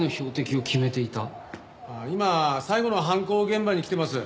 今最後の犯行現場に来てます。